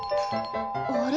あれ？